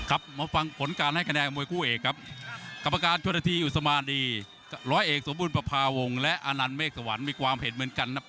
อันนี้มีความเห็นเหมือนกันนะครับ